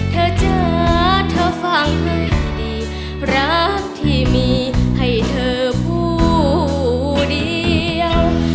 เธอเจอเธอฟังให้ดีรักที่มีให้เธอผู้เดียว